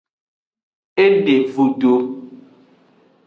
E de vudo.